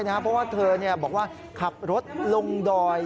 เพราะว่าเธอบอกว่าขับรถลงดอย